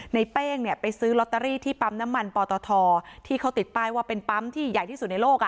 เป้งเนี่ยไปซื้อลอตเตอรี่ที่ปั๊มน้ำมันปอตทที่เขาติดป้ายว่าเป็นปั๊มที่ใหญ่ที่สุดในโลก